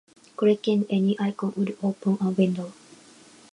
Clicking any icon would open a window.